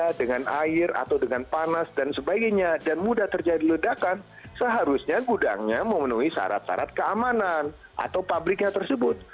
karena dengan air atau dengan panas dan sebagainya dan mudah terjadi ledakan seharusnya gudangnya memenuhi syarat syarat keamanan atau pabriknya tersebut